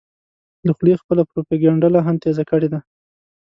له خولې خپله پروپیګنډه لا هم تېزه کړې ده.